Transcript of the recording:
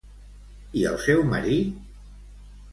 I el seu marit?